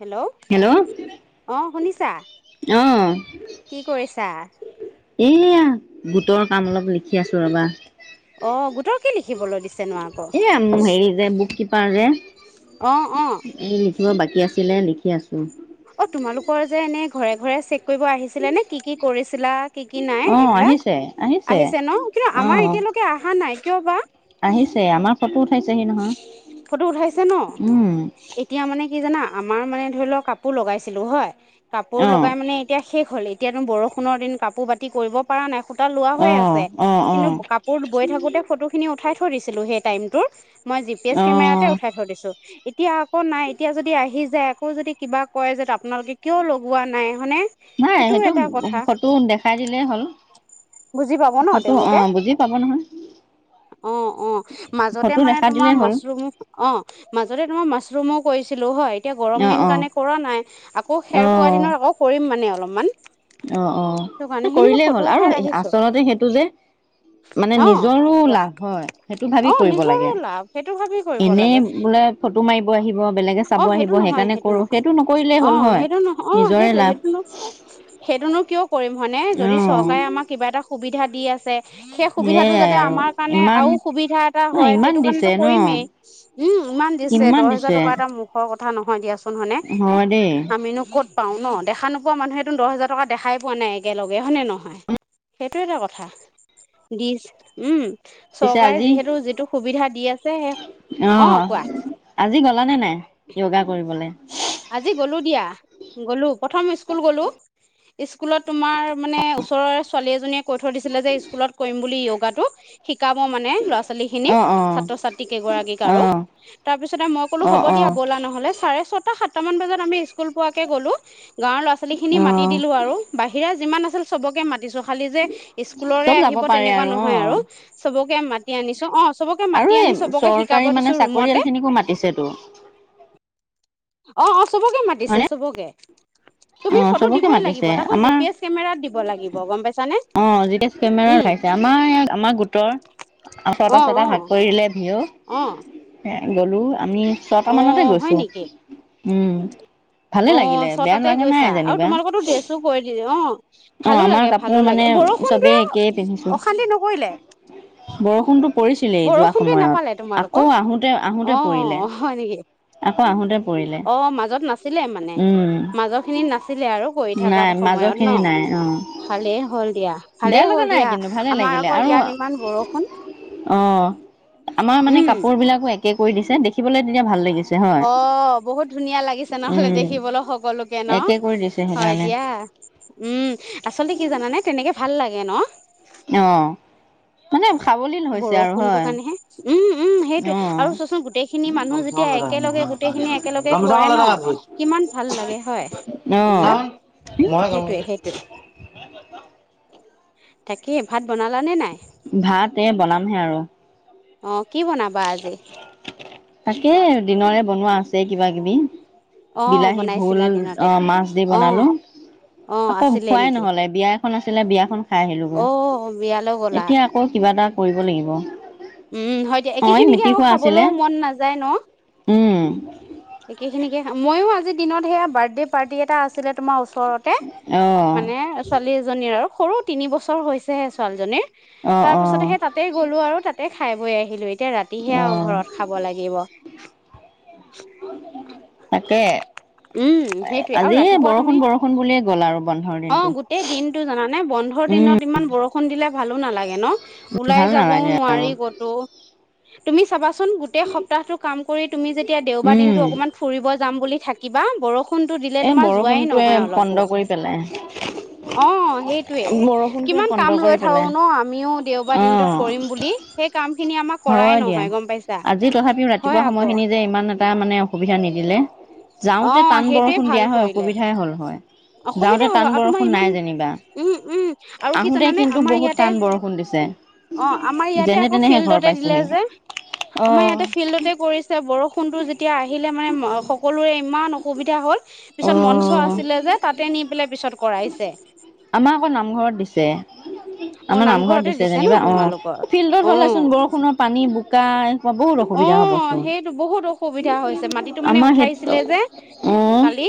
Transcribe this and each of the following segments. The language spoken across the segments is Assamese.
হেল্ল', অ', শুনিছা? অ', কি কৰিছা? এইয়া গোটৰ কাম অলপ লিখি আছোঁ ৰবা। অ গোটৰ কি লিখিবলৈ দিছে নো আকৌ উম হেৰি যে বুক কিপাৰ যে অ অ এই লিখিব বাকী আছিলে লিখি আছোঁ অঁ তোমালোকৰ যে এনেই ঘৰে ঘৰে চেক কৰিব আহিছিলে নে কি কি কৰিছিলা? কি কি নাই অ', এইবিলাক আহিছে আহিছে ন কিন্তু আমাৰ অ', এতিয়ালৈকে অহা নাই কিয় বা? আহিছে আমাৰ ফটো উঠাইছেহি নহয় ফটো উঠাইছে ন উম, এতিয়া মানে কি জানা আমাৰ মানে ধৰি লওক কাপোৰ লগাইছিলো হয় কাপোৰ অ', লগাই মানে এতিয়া শেষ হ'ল এতিয়াতো বৰষুণৰ দিন কাপোৰ বাতি কৰিব পৰা নাই সূতা লোৱা হৈ অ', আছে অ', কিন্তু অ', ক'ত গৈ থাকোতে ফটো খিনি উঠাই থৈ দিছিলো সেই টাইমটোত মই জিপিএছ কেমেৰাতে অ', উঠাই থৈ দিছো এতিয়া আকৌ নাই এতিয়া যদি আহি যায় আকৌ যদি কিবা কয় যে আপোনালোকে কিয় লগোৱা নাই হয়নে সেইটো এটা কথা ফটো দেখাই দিলেই হ'ল বুজি পাব ন ফটো তেওঁলোকে? অ', বুজি পাব নহয় অ অ মাজতে ফটো মানে দেখা দিলেই তোমাৰ হ'ল। মাছৰো অ মাজতে তোমাৰ মাছৰুমো কৰিছিলো হয় এতিয়া গৰম অ', দিন অ', কাৰণে কৰা নাই আকৌ খেৰ পোৱা অ', দিনত আকৌ কৰিম মানে অলপমান সেইটো কাৰণে অ সেইখিনি মই কৰিলেই ফটো হ'ল আৰু উঠাই ৰাখিছো আচলতে সেইটো যে মানে অ নিজৰো কোৱা লাভ হয় সেইটো অ ভাবি কৰিব নিজৰে লাগে লাভ সেইটো ভাবি কৰিব এনেই লাগে বোলে ফটো মাৰিব আহিব বেলেগে অ চাব সেইটো আহিব নহয় সেইকাৰণে কৰো নহয় সেইটো নকৰিলেই অ হ'ল হয় সেইটো নহয় অ নিজৰে সেইটোৱে লাভ সেইটোনো সেইটোনো কিয় কৰিম হয়নে অ যদি চৰকাৰে আমাক কিবা এটা সুবিধা দি আছে সেই সুবিধাটো সেইয়াই যাতে আৰু আমাৰ কাৰণে ইমান আৰু সুবিধা এটা ন হয় ইমান এইটো দিছে কাৰণেটো কৰিমেই ন উম ইমান দিছে দহ হোজাৰ টকা এটা মুখৰ কথা নহয় দিয়াচোন কোন হয়নে হয় দেই আমিনো ক'ত পাও ন দেখা নোপোৱা মানুহেতো দহ হাজাৰ টকা দেখাই পোৱা নাই একেলগে হয় নে নহয়? সেইটো এটা কথা দিছ উম চৰকাৰে যিহেতু যিটো সুবিধা দি আছে সেই অ আহ কোৱা আজি গলানে নাই ইয়গা কৰিবলে আজি গ'লো দিয়া গ'লো প্ৰথম স্কুল গ'লো স্কুলত তোমাৰ মানে ওচৰৰে ছোৱালী এজনীয়ে কৈ থৈ দিছিলে যে স্কুলত কৰিম বুলি ইয়গাটো শিকাব মানে ল'ৰা ছোৱালী অ খিনিক অ ছাত্ৰ ছাত্ৰী কেইগৰাকীক অ আৰু তাৰপিছতে মই ক'লো অ হব অ দিয়া ব'লা নহ'লে চাৰে ছ টা সাতটা মান বজাত আমি স্কুল পোৱাকে গ'লো গাঁৱৰ ল'ৰা ছোৱালী খিনি অ মাতি দিলো আৰু বাহিৰা যিমান আছিল সবকে মাতিছোঁ খালি যে স্কুলৰে চব যাব আহিব পাৰে তেনেকুৱা অ নহয় আৰু চবকে মাতি আনিছো অ চবকে মাতি আনি চবকে শিকাব দিছো ৰুমতে মাতিছে তো অ অ চবকে হয়নে মাতিছে চবকে অ তুমি ফটো চবকে দিবই লাগিব মাতিছে তাকো জি আমাৰ পি এচ কেমেৰাত দিব লাগিব গম পাইছা নে? কেমেৰাৰ ভাইছে আমাৰ ইয়াৰ আমাৰ গোটৰ ছটা অ' ছটা অ' ভাগ কৰি দিলে ভিউ অ গলো আমি ছয়টা মানতে অ' হয় গৈছো নেকি উম ভালে লাগিলে বেয়া ঠিকে লগা নাই কৈছা আৰু যেনিবা তোমালোকৰটে ড্ৰেছো কৰি দিলে অ অ ভালো আমাৰ লাগে কাপোৰ ভালো মানে লাগে চবেই একেই বৰষুণটোয়ে অশান্তি নকৰিলে বৰষুণটো পৰিছিলেই যোৱা বৰষুণটোৱে সময়ত নাপালে আকৌ তোমালোকক আহোতে আহোতে অ পৰিলে। অ হয় নেকি আকৌ আহোতে পৰিলে। অ মাজত নাছিলে মানে উম মাজৰখিনিত নাছিলে আৰু। কৰি থকা নাই মাজৰ সময়ত ন, খিনি নাই অ ভালেই হ'ল দিয়া। বেয়া ভালেই লগা হ'ল নাই দিয়া, কিন্তু ভালে আমাৰ লাগিলে আকৌ আৰু ইয়াত ইমান বৰষুণ। অ, আমাৰ মানে উম কাপোৰবিলাকো একে কৰি দিছে দেখিবলৈ তেতিয়া ভাল লাগিছ অ, বহুত ধুনীয়া লাগিছে নহলে উম। দেখিবলৈ সকলোকে ন একে কৰি দিছে হয় সেইকাৰণে দিয়া। উম আচলতে কি জানানে? তেনেকে ভাল লাগে ন। অ। মানে খাবলিল হৈছে আৰু বৰষুণটো হয়, কাৰণেহে উম উম সেইটোৱে অহ। আৰু চোৱাচোন গোটেইখিনি মানুহ যেতিয়া একেলগে গোটেইখিনি একেলগে কৰে ন কিমান ভাল লাগে হয় এইবিলাক [unintelligible] অ সেইটোৱে সেইটোৱে [unintelligible] তাকেই ভাত বনালা নে নাই? ভাত এ বনামহে আৰু। অ, কি বনাবা আজি? তাকে দিনৰে বনোৱা আছে কিবা কিবি। অ বিলাহী, ভোল, বনাইছিলা অ দিনতে মাছ দি অ বনালো। অ আকৌ আছিলে খোৱাই নেকি নহলে বিয়া এখন আছিলে, বিয়াখন খাই আহিলোগৈ। অ বিয়ালৈ গ'লা এতিয়া ক কিবা এটা কৰিব লাগিব। উম হয় দিয়া অ এই একেখিনিকে মেট্ৰিক আৰু হোৱা আছিলে খাবলৈও মন নাযায় ন। উম। একেখিনিকে ময়ো আজিৰ দিনত সেয়া বাৰ্থডে' পাৰ্টি এটা আছিলে তোমাৰ ওচৰত। তে আহ মানে ছোৱালী এজনীৰ আৰু সৰু তিনি বছৰ হৈছেহে ছোৱালীজনীৰ। অ তাৰ অ পিছতহে তাতে গ'লো আৰু তাতে খাই বৈ আহিলো এতিয়া ৰাতিহে অ আৰু ঘৰত। খাব লাগিব। তাকে। উম সেইটোৱে আৰু আজি ৰাতিপুৱা তুমি বৰষুণ বৰষুণ বুলিয়ে গ'ল আৰু বন্ধৰ দিনটো। টো জানানে বন্ধৰ উম দিনত ইমান বৰষুণ দিলে ভালো নালাগে ন, ওলাই ভাল যাবও নালাগে আৰু নোৱাৰি কত ত, তুমি চাবাচোন গোটেই সপ্তাহটো কাম কৰি তুমি যেতিয়া দেওবাৰ উম দিনটো অকমান ফুৰিব যাম বুলি থাকিবা বৰষ ষূণটো দিলে এই তোমাৰ যোৱাই বৰষুণটোৱে নহয় পণ্ড অলপো। কৰি পেলাই অ সেইটোৱে, বৰষুণটোৱে কিমান পণ্ড কাম কৰি লৈ থাকো পেলাই ন আমিও দেওবাৰ অ দিনটোত কৰিম বুলি। সেই কামখিনি আমাক হয় দিয়া, আজি তথাপিও হয় ৰাতিপুৱা আকৌ সময়খিনি যে ইমান এটা মানে অসুবিধা নিদিলে। অ যাওঁতে টান সেইটোৱে বৰষুণ ভাল দিয়া হয় কৰিলে অসুবিধাই হল হয়। যাওঁতে অসুবিধা হ'ল টান আৰু তোমাৰ বৰষুণ ইমান নাই যেনিবা উম উম আৰু কি আহোতে জানানে কিন্তু আমাৰ বহুত ইয়াতে টান বৰষুণ দিছে। অ, আমাৰ ইয়াতে যেনে আকৌ তেনেহে ঘৰ ফিল্ডতে দিলে পাইছোহি। যে অ'। আমাৰ ইয়াতে ফিল্ডতে কৰিছ ছে বৰষুণটো যেতিয়া আহিলে মানে ম সকলোৰে ইমান অসুবিধা হ'ল। পিছত মঞ্চ অ', আছিলে যে তাতে নি পেলাই পিছত কৰাইছে। আমাৰ আকৌ নামঘৰত দিছে। অ আমাৰ নামঘৰত নামঘৰতে দিছে ন যেনিবা অ, তোমালোকৰ এ ফিল্ডত অ হলেচোন বৰষুণৰ পানী বোকা [unintelligible] বহুত অসুবিধা হ'বচোন। টো বহুত অসুবিধা হৈছে মাটিটো মানে আমাৰ সেইটো উঠাইছিলে যে অ', কালি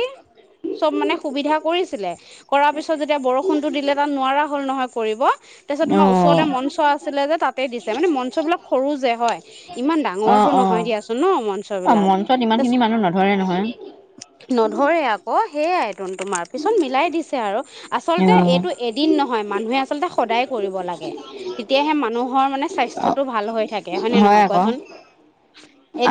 চব মানে সুবিধা কৰিছিলে কৰাৰ পিছত যেতিয়া বৰষুণতো দিলে তাত নোৱাৰা হ'ল নহয়। কৰিব তাৰপিছত তোমাৰ ওচৰতে অ', মঞ্চ আছিলে যে তাতে দিছে মানে মঞ্চবিলাক সৰু যে হয়। ইমান ডাঙৰটো নহয় দিয়াচোন ন' মঞ্চ বিলাক? তাত ইমান তাৰপিছত খিনি মানুহ নধৰে নহয়। নধৰে আকৌ সেইয়াই টোন তোমাৰ, পিছত মিলাই দিছে আৰু আচলতে অ', এইটো এদিন নহয়, মানুহে আচলতে সদায় কৰিব লাগে, তেতিয়াহে মানুহৰ মানে স্বাস্থ্যটো ভাল হৈ থাক হয় নে নহয় কোৱাচোন?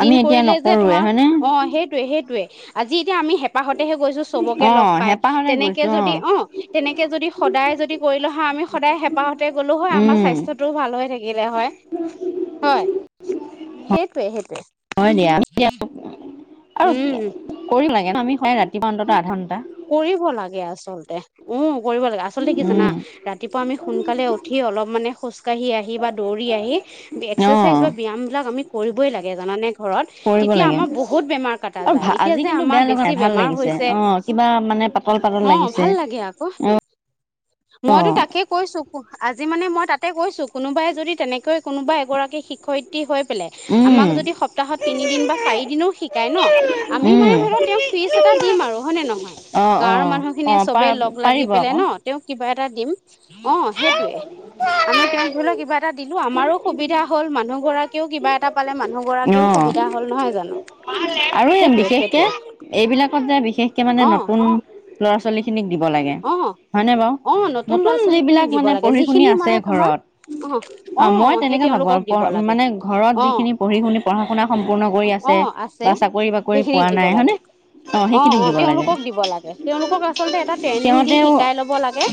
আমি এতিয়া কৰিলে যে নকৰোৱে তোমাৰ হয়নে? অঁ সেইটোৱে সেই টোৱে, আজি এতিয়া আমি হেঁপাহতেহে গৈছো চবকে লগ অ', পাই, হেঁপাহতে তেনেকে গৈছো যদি অ'। অঁ তেনেকে যদি সদায় যদি কৰিলো হয়, আমি সদায় হেঁপাহতে গ'লো হয়, আমাৰ উম, স্বাস্থ্য টো ভাল হৈ থাকিলে হয়, হয়? সেইটোৱে সেইটোৱে। হয়, দিয়া [unintelligible] আৰু উম কৰিব লাগে আমি হয়, ৰাতিপুৱা অন্তত আধা ঘণ্টা। কৰিব লাগে আচলতে উম, কৰিব লাগে, আচলতে কি উম, জানা? ৰাতিপুৱা আমি সোনকালে উঠি অলপ মানে খোজকাঢ়ি আহি বা দৌৰি আহি এক্সাৰচাইজ অ', বা ব্যায়াম বিলাক আমি কৰিবই লাগে জানানে ঘৰত কৰিব তেতিয়া লাগে। আমাৰ বহুত বেমাৰ কাটা আৰু যায়, ভা এতিয়া আজি যে কিন্তু বেয়া আমাৰ লগা নাই বেছি ভাল বেমাৰ লাগিছে হৈছে অ', কিবা মানে পাতল পাতল লাগিছে। দিয়া আকৌ। [inaudible] মইতো তাকে কৈছোঁ কো আজি মানে মই তাতে কৈছো কোনোবাই যদি তেনেকৈ কোনোবা এগৰাকী শিক্ষয়ি ত্ৰি হৈ পেলাই উম, আমাক যদি সপ্তাহত তিনিদিন বা চাৰিদিনও শিকায় ন' আমি উম, মানে ধৰি লওক তেওঁক ফিজ এটা দিম আৰু। হয় নে নহয়? অ', গাঁৱৰ অ', মানুহ খিনিয়ে অ', চবে পাৰ লগ লাগি পাৰিব পেলাই আকৌ ন'। অঁ তেওঁক কিবা এটা দিম অ', সেইটোৱে আমি তেওঁক ধৰি লও কিবা এটা দিলো আমাৰো সুবিধা হ'ল মানুহ গৰাকীও কিবা এটা পালে মানুহ গৰাকীও অ', সুবিধা হ'ল। নহয় জানো? আৰু এই সেইটোয়ে বিশেষকে সেইটোয়ে এইবিলাকত যে, বিশেষকে মানে অ নতুন ল'ৰা ছোৱালীখিনিক দিব লাগে। অ হয়নে বাৰু? অ ল'ৰা নতুন ছোৱালী খিনিক যিবিলাক দিব মানে লাগে পঢ়ি-শুনি যিখিনি আছে মানে তোমাৰ অ ঘৰত। অ অঁ অ মই সেই তেনেকে ভাবো তেওঁলোকক আৰু, দিব লাগে মানে ঘৰত অ', যিখিনি পঢ়ি-শুনি পঢ়া-শুনা সম্পূৰ্ণ কৰি আছে বা চাকৰি-বাকৰি সেইখিনিক পোৱা দিব নাই, হয় লাগে নে? অঁ অ', সেইখিনি অ', দিব লাগে। তেওঁলোকক দিব লাগে তেওঁলোকক আচলতে এটা ট্ৰেইনিং দি সিহঁতেও শিকাই ল'ব লাগে।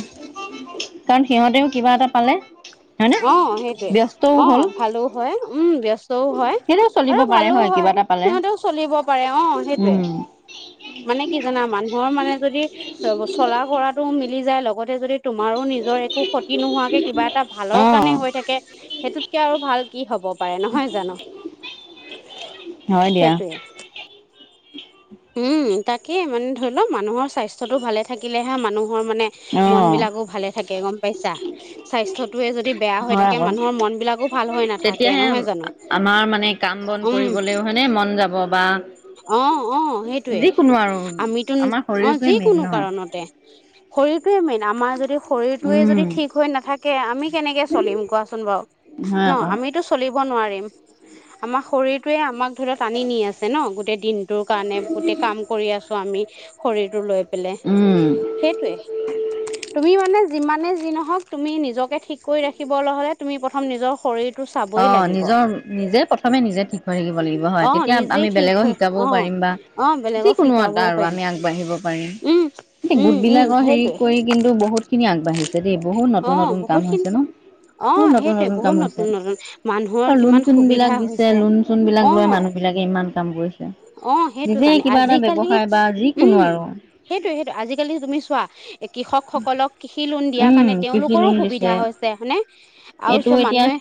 কাৰণ সিহঁতেও কিবা এটা পালে হয়নে, অ', সেইটোৱে ব্যস্তও হ'ল। অ', ভালো হয়, উম, ব্য স্তও হয়, সেইটোও চলিব আৰু পাৰে ভালো কিবা হয়, এটা পালে সিহঁতেও চলিব পাৰে, অঁ সেইটোৱে। উম মানে কি জানা? মানুহৰ মানে যদি চলা কৰাটো মিলি যায় লগতে যদি তোমাৰো নিজৰ একো ক্ষতি নোহোৱাকে কিবা এটা ভালৰ অ কাৰণে হৈ থাকে, সেইটো কে আৰু ভাল কি হব পাৰে, নহয় জানো? হয় দিয়া সেইটোৱে। উম, তাকে মানে ধৰি লওক মানুহৰ স্বাস্থ্যটো ভালে থাকিলেহে মানুহৰ মানে অ মন বিলাকো ভালে থাকে, গম পাইছা? স্বাস্থ্যটোৱে যদি বেয়া হৈ হয় থাকে আকৌ মানুহৰ মন বিলাকো ভাল হৈ নাথাকে তেতিয়াহে নহয় জানো আমাৰ মানে কাম বন উম কৰিবলৈও হয়নে, মন যাব বা অঁ অঁ সেইটোৱে যিকোনো আৰু আমি তোন আমাৰ অঁ শৰীৰটোৱে মেইন যিকোনো ন কাৰণতে। শৰীৰটোৱে মেইন, আমাৰ যদি শৰীৰটোৱে উম যদি ঠিক হৈ নাথাকে, আমি কেনেকে চলিম কোৱাচোন বাৰু? হয় ন' আকৌ আমিতো চ চলিব নোৱাৰিম, আমাৰ শৰীৰটোৱে আমাক ধৰি ল টানি নি আছে ন। গ গোটেই দিনটোৰ কাৰণে গোটেই কাম কৰি আছো আমি শৰীৰটো লৈ পেলাই। উম সেইটোৱে। [inaudible] তুমি মানে যিমানে যি নহওক, তুমি নিজকে ঠিক কৰি ৰাখিবলৈ হ'লে তুমি প্ৰথম নিজৰ শৰীৰ অ' নিজৰ নিজে প্ৰথমে নিজে ঠিক হৈ থাকিব লাগিব হয়, অ তেতিয়া নিজেই আমি ঠিক বেলেগক হৈ শিকাব অ পাৰিম বা অ বেলেগক যিকোনো এটা শিকাবও আৰু পাৰিম আমি আগবাঢ়িব উম পাৰিম, উম উম গোটবলাকৰ হেৰি সেইটোৱে কৰি কিন্তু বহুত খিনি আগবাঢ়িছে দেই, বহুত অ নতুন নতুন বহুত কাম হৈছে খিনি ন' বহুত নতুন নতুন কাম হৈছে। উম, মানুহৰ আৰু লোন কিমান চোন সুবিধা হৈছে অ'। তাকে ইমান কাম কৰিছে। অ' সেইটো নিজে কাৰণে, কিবা এটা আজিকালি, ব্যৱসায় বা যিকোনো উম। আৰু সেইটোয়ে সেইটো, আজিকালি তুমি চোৱা এ, কৃষকসকলক কৃষি লোন দিয়াৰ উম কাৰণে কৃষি তেওঁলোকৰো লোন দিছে সুবিধা হৈছে হয় নে, আৰু চোৱা মানুহে,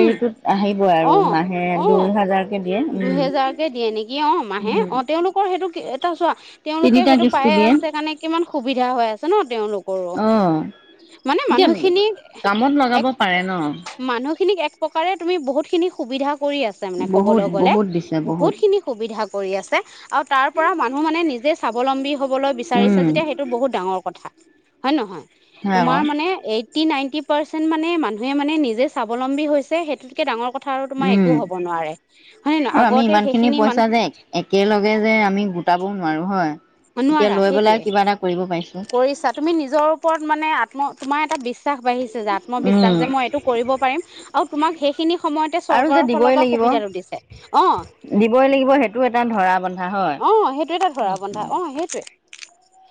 উম। এ, হেইবোৰে অ আৰু মাহে অ দুই হাজাৰকে দিয়ে, উম। দুহেজাৰকে দিয়ে নেকি অ' মাহে উম অ', তেওঁলোকৰ সেইটো এটা চোৱা তেওঁলোকে তিনিটা সেইটো কিস্তি পায়ে দিয়ে। আছে কাৰণে কিমান সুবিধা হৈ আছে ন' তেওঁলোক। অ' এতিয়া কামত লগাব এক পাৰে ন'। মানুহখিনিক এক প্ৰকাৰে তুমি বহুতখিনি সুবিধা কৰি আছে মানে বহুত ক'বলৈ গ'লে। বহুত দিছে বহুত। নি সুবিধা কৰি আছে আৰু তাৰ পৰা মানুহ মানে নিজে স্বাৱলম্বী হ'বলৈ বিচাৰিছে উম, যেতিয়া সেইটো বহুত ডাঙৰ কথা। হয় নহয়, হয় আকৌ। তোমাৰ মানে এই টি নাইনটি পাৰ্চেণ্ট মানে মানুহে মানে নিজে স্বাবলম্বী হৈছে সেইটোতকে ডাঙৰ ক কথা আৰু তোমাৰ উম, একো হ'ব নোৱাৰে, হয় নে নহয় আৰু আমি আগত ইমানখিনি পইচা যে একেলগে যে আমি গোটাবও নোৱাৰো হয়, এতিয়া নোৱাৰা লৈ পেলাই সেইটোৱে কিবা এটা কৰিব পাৰি কৰিছা, তুমি নিজৰ ওপৰত মানে আত্ম, তোমাৰ এটা বিচ বিশ্বাস বাঢ়িছে যে আত্মবিশ্বাস যে মই এইটো কৰিব পাৰিম আৰু তোমাক সেইখিনি সময়তে আৰু যে চৰকাৰৰ ফালৰ দিবই পা লাগিব সুবিধাটো দিছ অ'। অ' দিবই লাগিব সেইটো এটা ধৰা বন্ধা হয়। সেইটোয়ে তাত ধৰা বন্ধা অ' সেইটোৱে।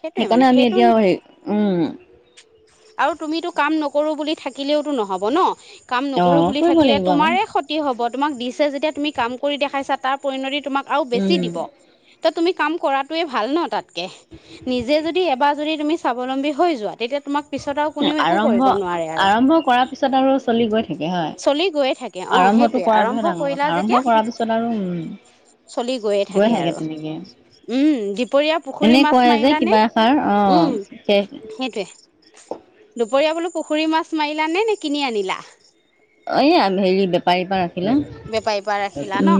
সেইটোৱে মানে, সেইট থিয় হৈ, উম। আৰু তুমিতো কাম নকৰোঁ বুলি থাকিলেওতো নহ'ব ন'। কাম নকৰোঁ অ' বুলি কৰিব থাকিলে লাগিব আকৌ। তোমাৰে স তি হ'ব, তোমাক দিছে যেতিয়া তুমি কাম কৰি দেখাইছা তাৰ পৰিণতি তোমাক আৰু বেছি উম। দিব। ত' তুমি কাম কৰাটোৱে ভাল ন' তাতকে, নিজে যদি এবাৰ যদি তুমি স্বাৱলম্বী হৈ যোৱা তেতিয়া তোমাক পিছত আৰু কোনেও একো আৰম্ভ কৰিব নোৱাৰে আৰু, আৰম্ভ কৰাৰ পিছত আৰু চলি গৈ থাকে হয়। চলি গৈয়ে থাক কে অ' আৰম্ভটো সেইটোয়ে, কৰাটোহে আৰম্ভ ডাঙৰ কথা কৰিলা আৰম্ভ যেতিয়া কৰাৰ পিছত আৰু উম চলি গৈয়ে গৈ থাকে আৰু। তেনেকে উম, দুপৰীয়া পুখুৰী মাছ মাৰিলানে? ছাৰ উম অ', তে সেইটোৱে। দুপৰীয়া বোলো পুখুৰীৰ মাছ মাৰিলানে নে কিনি আনিলা? অয়া হেৰি বেপাৰীৰ পা উম, বেপাৰীৰ পৰা ৰাখিলা ন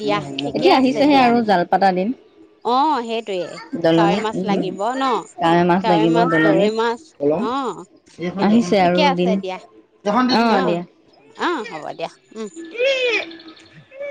দিয়া ঠিকে এতিয়া আছে আহিছেহে দিয়া আৰু জাল পাতা দিন। [inaudible] অ' সেইটয়ে কাৱৈ দলনিত মাছ উম লাগিব ন' মাছ কাৱৈ লাগিব মাছ, গৰৈ দলনিত মাছ, অ'। সেইটোয়ে। আহিছে আৰু ঠিকে দিন আছে দিয়া। অ' দিয়া। অ' হ'ব দিয়া উম। [inaudible]